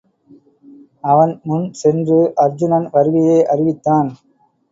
அவன் முன் சென்று அருச்சுனன் வருகையை அறிவித்தான்.